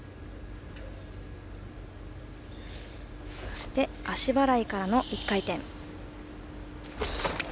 そして、足払いからの１回転。